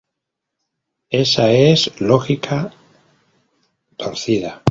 Ésa es lógica torcida.